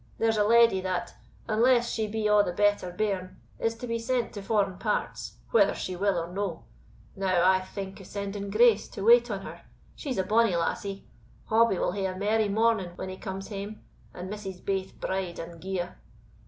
There's a leddy, that, unless she be a' the better bairn, is to be sent to foreign parts whether she will or no; now, I think of sending Grace to wait on her she's a bonny lassie. Hobbie will hae a merry morning when he comes hame, and misses baith bride and gear."